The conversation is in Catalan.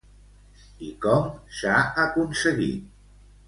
I com s'ha aconseguit?